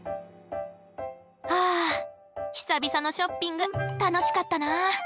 あ久々のショッピング楽しかったな！